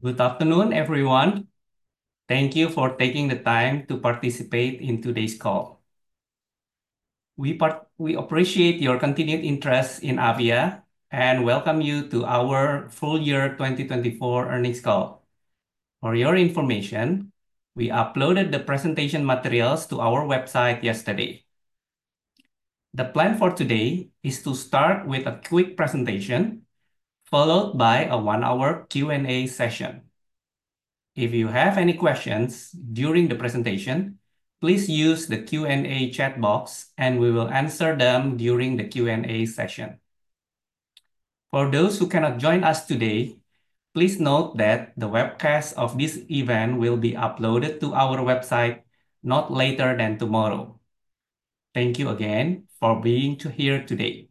Good afternoon, everyone. Thank you for taking the time to participate in today's call. We appreciate your continued interest in Avia and welcome you to our full-year 2024 earnings call. For your information, we uploaded the presentation materials to our website yesterday. The plan for today is to start with a quick presentation, followed by a one-hour Q&A session. If you have any questions during the presentation, please use the Q&A chat box, and we will answer them during the Q&A session. For those who cannot join us today, please note that the webcast of this event will be uploaded to our website not later than tomorrow. Thank you again for being here today.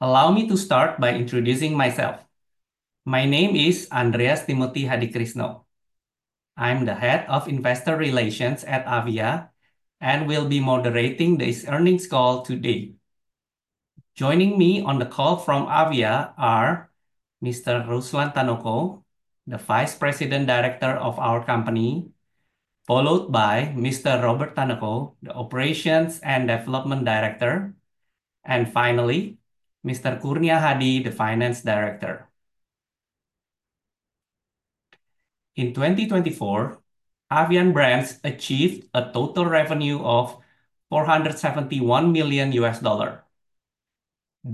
Allow me to start by introducing myself. My name is Andreas Timothy Hadikrisno. I'm the Head of Investor Relations at Avia and will be moderating this earnings call today. Joining me on the call from Avia are Mr. Ruslan Tanoko, the Vice President Director of our company, followed by Mr. Robert Tanoko, the Operations and Development Director, and finally, Mr. Kurnia Hadi, the Finance Director. In 2024, Avian Brands achieved a total revenue of $471 million.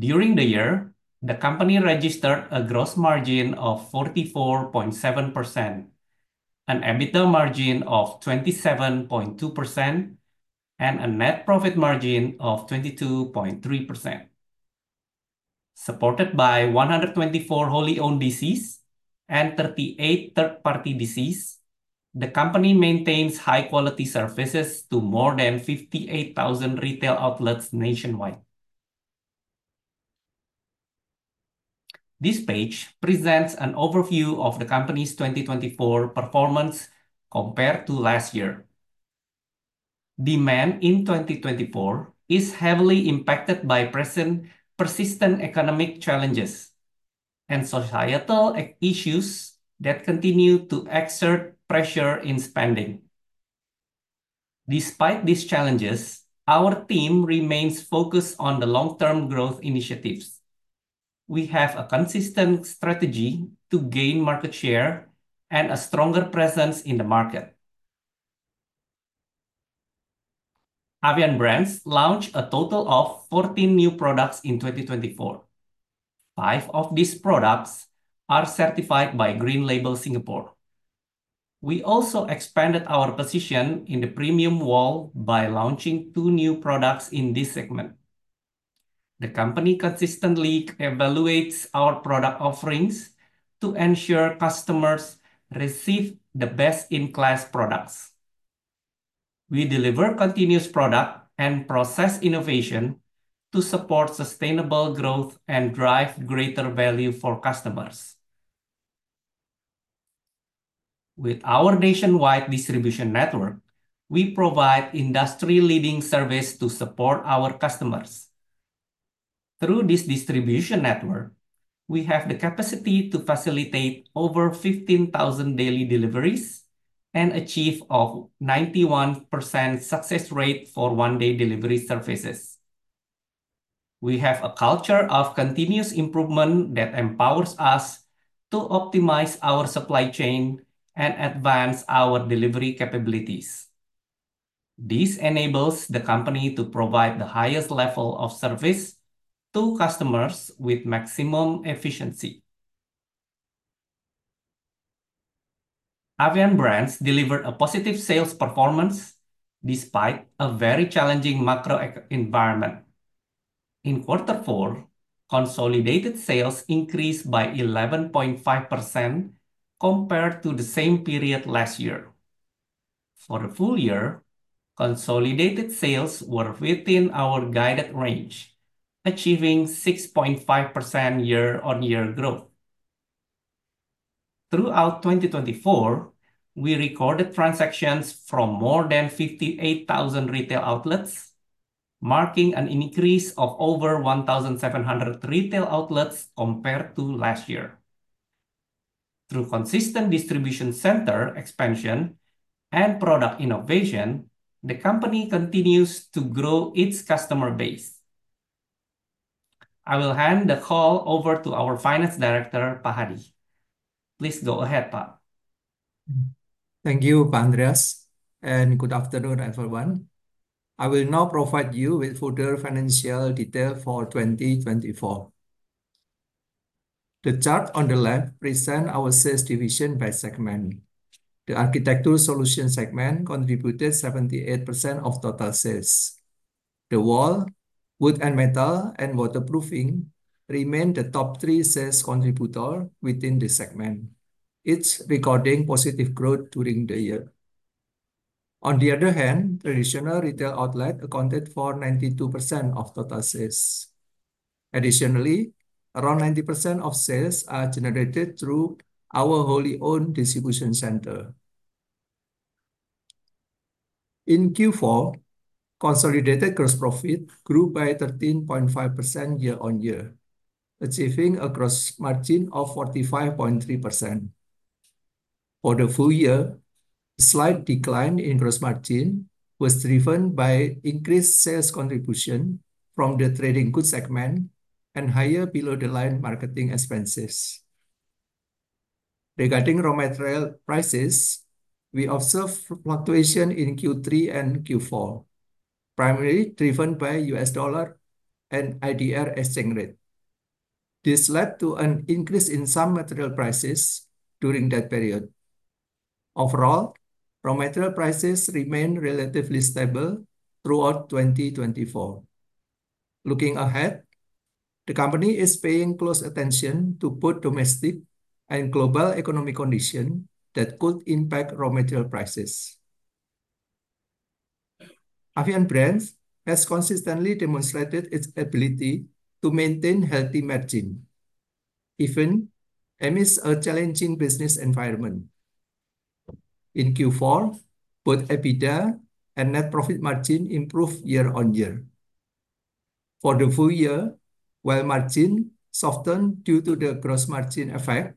During the year, the company registered a gross margin of 44.7%, an EBITDA margin of 27.2%, and a net profit margin of 22.3%. Supported by 124 wholly-owned DCs and 38 third-party DCs, the company maintains high-quality services to more than 58,000 retail outlets nationwide. This page presents an overview of the company's 2024 performance compared to last year. Demand in 2024 is heavily impacted by persistent economic challenges and societal issues that continue to exert pressure in spending. Despite these challenges, our team remains focused on the long-term growth initiatives. We have a consistent strategy to gain market share and a stronger presence in the market. Avian Brands launched a total of 14 new products in 2024. Five of these products are certified by Green Label Singapore. We also expanded our position in the premium wall by launching two new products in this segment. The company consistently evaluates our product offerings to ensure customers receive the best-in-class products. We deliver continuous product and process innovation to support sustainable growth and drive greater value for customers. With our nationwide distribution network, we provide industry-leading service to support our customers. Through this distribution network, we have the capacity to facilitate over 15,000 daily deliveries and achieve a 91% success rate for one-day delivery services. We have a culture of continuous improvement that empowers us to optimize our supply chain and advance our delivery capabilities. This enables the company to provide the highest level of service to customers with maximum efficiency. Avian Brands delivered a positive sales performance despite a very challenging macro environment. In Q4, consolidated sales increased by 11.5% compared to the same period last year. For the full year, consolidated sales were within our guided range, achieving 6.5% year-on-year growth. Throughout 2024, we recorded transactions from more than 58,000 retail outlets, marking an increase of over 1,700 retail outlets compared to last year. Through consistent distribution center expansion and product innovation, the company continues to grow its customer base. I will hand the call over to our Finance Director, Pak Hadi. Please go ahead, Pak. Thank you, Pak Andreas, and good afternoon, everyone. I will now provide you with further financial details for 2024. The chart on the left presents our sales division by segment. The Architecture Solutions segment contributed 78% of total sales. The wall, wood and metal, and waterproofing remain the top three sales contributors within the segment, each recording positive growth during the year. On the other hand, traditional retail outlets accounted for 92% of total sales. Additionally, around 90% of sales are generated through our wholly-owned distribution center. In Q4, consolidated gross profit grew by 13.5% year-on-year, achieving a gross margin of 45.3%. For the full year, a slight decline in gross margin was driven by increased sales contribution from the Trading Goods segment and higher below-the-line marketing expenses. Regarding raw material prices, we observed fluctuations in Q3 and Q4, primarily driven by U.S. dollar and IDR exchange rate. This led to an increase in some material prices during that period. Overall, raw material prices remained relatively stable throughout 2024. Looking ahead, the company is paying close attention to both domestic and global economic conditions that could impact raw material prices. Avian Brands has consistently demonstrated its ability to maintain healthy margins even amidst a challenging business environment. In Q4, both EBITDA and net profit margin improved year-on-year. For the full year, while margins softened due to the gross margin effect,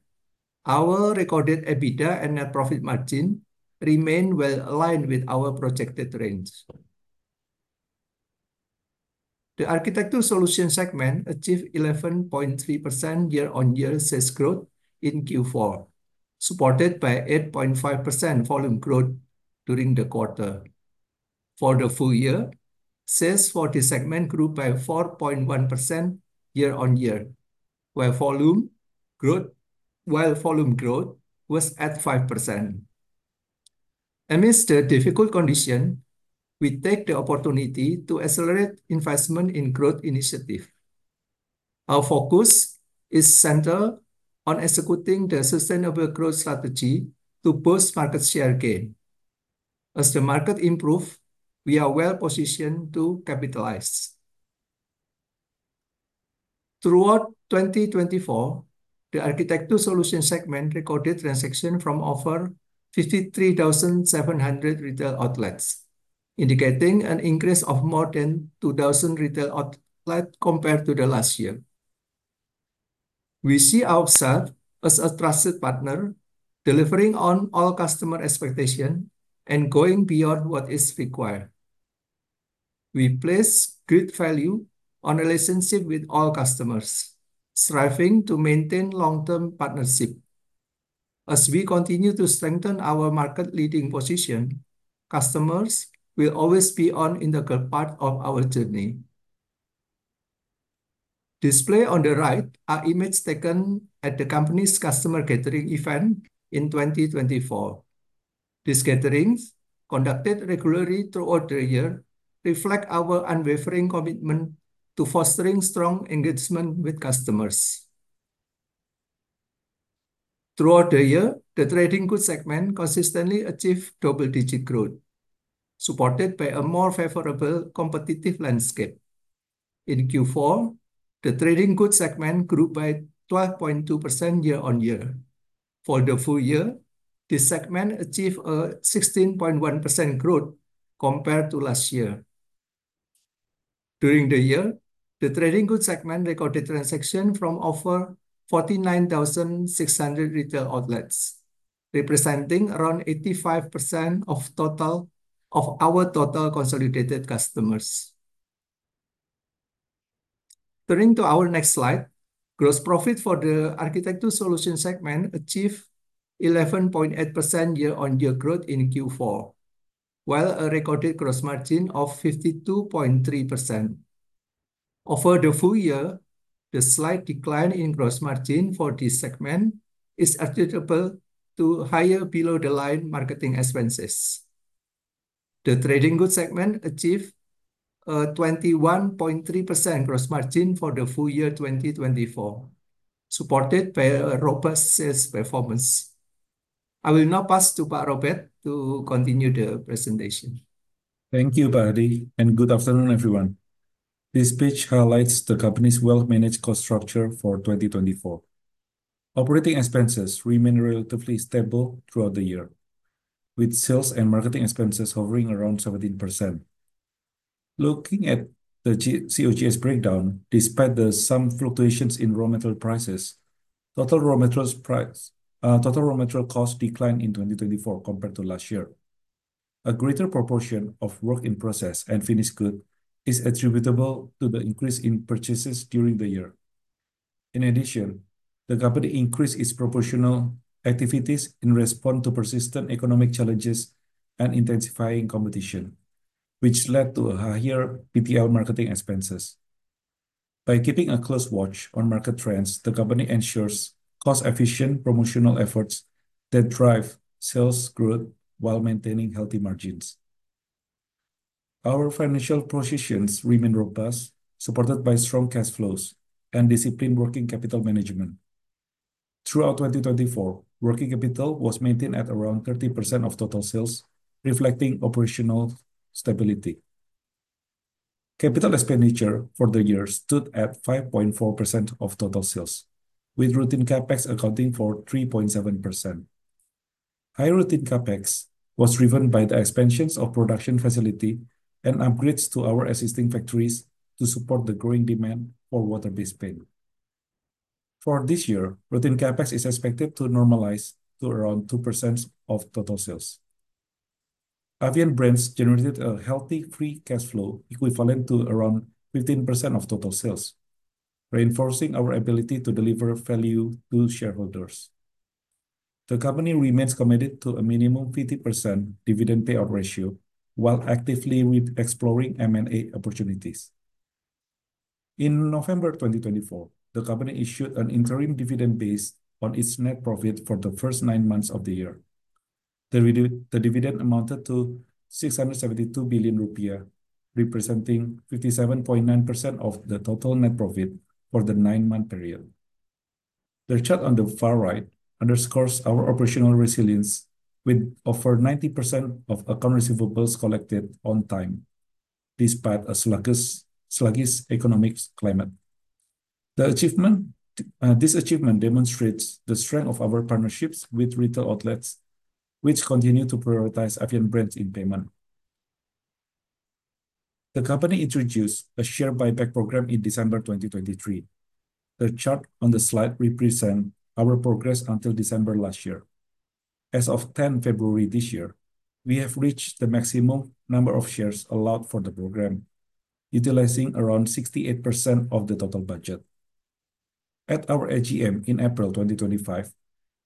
our recorded EBITDA and net profit margin remained well aligned with our projected range. The Architecture Solutions segment achieved 11.3% year-on-year sales growth in Q4, supported by 8.5% volume growth during the quarter. For the full year, sales for the segment grew by 4.1% year-on-year, while volume growth was at 5%. Amidst the difficult conditions, we take the opportunity to accelerate investment in growth initiatives. Our focus is centered on executing the sustainable growth strategy to boost market share gain. As the market improves, we are well positioned to capitalize. Throughout 2024, the Architecture Solutions segment recorded transactions from over 53,700 retail outlets, indicating an increase of more than 2,000 retail outlets compared to last year. We see ourselves as a trusted partner, delivering on all customer expectations and going beyond what is required. We place great value on relationships with all customers, striving to maintain long-term partnerships. As we continue to strengthen our market-leading position, customers will always be an integral part of our journey. Displayed on the right are images taken at the company's customer gathering event in 2024. These gatherings, conducted regularly throughout the year, reflect our unwavering commitment to fostering strong engagement with customers. Throughout the year, the Trading Goods segment consistently achieved double-digit growth, supported by a more favorable competitive landscape. In Q4, the Trading Goods segment grew by 12.2% year-on-year. For the full year, this segment achieved a 16.1% growth compared to last year. During the year, the Trading Goods segment recorded transactions from over 49,600 retail outlets, representing around 85% of our total consolidated customers. Turning to our next slide, gross profit for the Architecture Solutions segment achieved 11.8% year-on-year growth in Q4, while a recorded gross margin of 52.3%. Over the full year, the slight decline in gross margin for this segment is attributable to higher below-the-line marketing expenses. The Trading Goods segment achieved a 21.3% gross margin for the full year 2024, supported by a robust sales performance. I will now pass to Pak Robert to continue the presentation. Thank you, Pak Hadi, and good afternoon, everyone. This pitch highlights the company's well-managed cost structure for 2024. Operating expenses remain relatively stable throughout the year, with sales and marketing expenses hovering around 17%. Looking at the COGS breakdown, despite some fluctuations in raw material prices, total raw material costs declined in 2024 compared to last year. A greater proportion of work in process and finished goods is attributable to the increase in purchases during the year. In addition, the company increased its promotional activities in response to persistent economic challenges and intensifying competition, which led to higher PT Avia marketing expenses. By keeping a close watch on market trends, the company ensures cost-efficient promotional efforts that drive sales growth while maintaining healthy margins. Our financial positions remain robust, supported by strong cash flows and disciplined working capital management. Throughout 2024, working capital was maintained at around 30% of total sales, reflecting operational stability. Capital expenditure for the year stood at 5.4% of total sales, with routine CapEx accounting for 3.7%. High routine CapEx was driven by the expansions of production facilities and upgrades to our existing factories to support the growing demand for water-based paint. For this year, routine CapEx is expected to normalize to around 2% of total sales. Avian Brands generated a healthy free cash flow equivalent to around 15% of total sales, reinforcing our ability to deliver value to shareholders. The company remains committed to a minimum 50% dividend payout ratio while actively exploring M&A opportunities. In November 2024, the company issued an interim dividend based on its net profit for the first nine months of the year. The dividend amounted to 672 billion rupiah, representing 57.9% of the total net profit for the nine-month period. The chart on the far right underscores our operational resilience, with over 90% of account receivables collected on time despite a sluggish economic climate. This achievement demonstrates the strength of our partnerships with retail outlets, which continue to prioritize Avian Brands in payment. The company introduced a share buyback program in December 2023. The chart on the slide represents our progress until December last year. As of 10 February this year, we have reached the maximum number of shares allowed for the program, utilizing around 68% of the total budget. At our AGM in April 2025,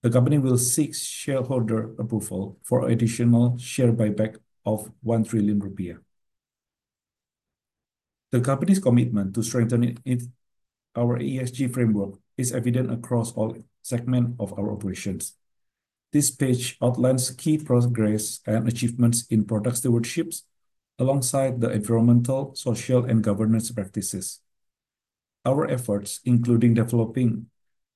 the company will seek shareholder approval for additional share buyback of 1 trillion rupiah. The company's commitment to strengthening our ESG framework is evident across all segments of our operations. This page outlines key progress and achievements in product stewardship alongside the environmental, social, and governance practices. Our efforts, including developing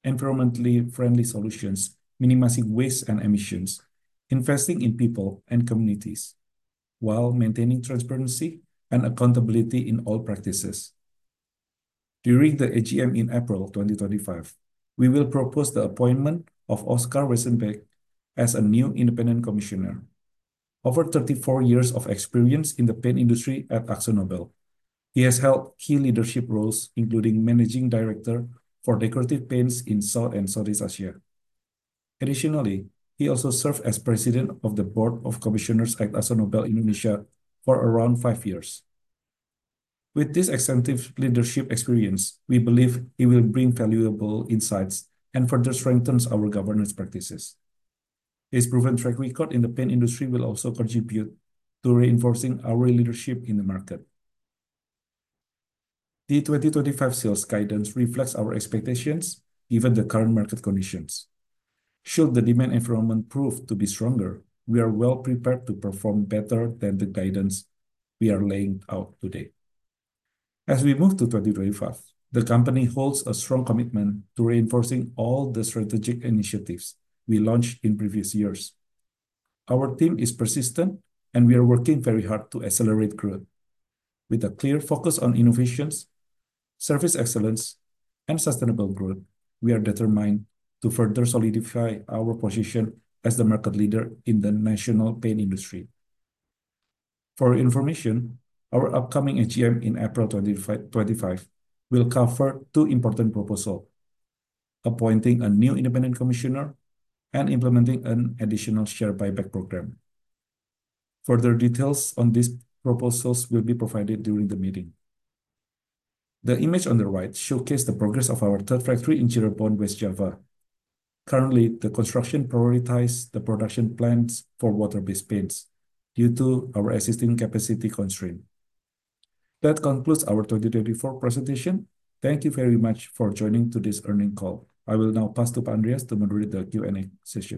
environmentally friendly solutions, minimizing waste and emissions, investing in people and communities, while maintaining transparency and accountability in all practices. During the AGM in April 2025, we will propose the appointment of Oscar Wezenbeek as a new independent commissioner. Over 34 years of experience in the paint industry at AkzoNobel, he has held key leadership roles, including managing director for decorative paints in South and Southeast Asia. Additionally, he also served as president of the Board of Commissioners at AkzoNobel Indonesia for around five years. With this extensive leadership experience, we believe he will bring valuable insights and further strengthen our governance practices. His proven track record in the paint industry will also contribute to reinforcing our leadership in the market. The 2025 sales guidance reflects our expectations given the current market conditions. Should the demand environment prove to be stronger, we are well prepared to perform better than the guidance we are laying out today. As we move to 2025, the company holds a strong commitment to reinforcing all the strategic initiatives we launched in previous years. Our team is persistent, and we are working very hard to accelerate growth. With a clear focus on innovations, service excellence, and sustainable growth, we are determined to further solidify our position as the market leader in the national paint industry. For your information, our upcoming AGM in April 2025 will cover two important proposals: appointing a new independent commissioner and implementing an additional share buyback program. Further details on these proposals will be provided during the meeting. The image on the right showcases the progress of our third factory in Cirebon, West Java. Currently, the construction prioritizes the production plants for water-based paints due to our existing capacity constraints. That concludes our 2024 presentation. Thank you very much for joining today's earnings call. I will now pass to Pak Andreas to moderate the Q&A session.